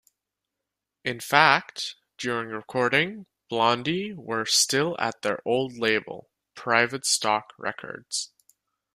In fact, during recording, Blondie were still at their old label, Private Stock Records.